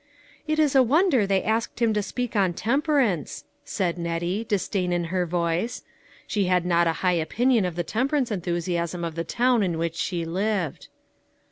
" It is a wonder they asked him to speak on temperance," said Nettie, disdain in her voice :, she had not a high opinion of the temperance enthusiasm of the town in which she lived.